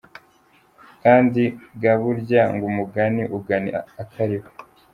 Kandi ga burya ngo umugani ugana akariho!